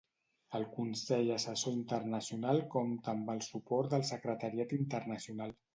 El Consell Assessor Internacional compta amb el suport del Secretariat Internacional.